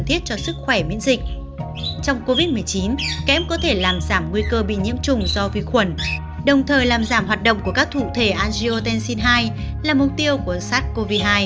trong covid một mươi chín kém có thể làm giảm nguy cơ bị nhiễm trùng do vi khuẩn đồng thời làm giảm hoạt động của các thụ thể angiotensin ii là mục tiêu của sars cov hai